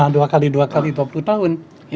dua kali dua kali dua puluh tahun